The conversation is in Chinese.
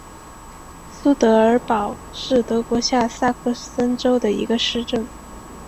苏德尔堡是德国下萨克森州的一个市镇。